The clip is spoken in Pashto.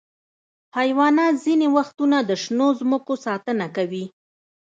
حیوانات ځینې وختونه د شنو ځمکو ساتنه کوي.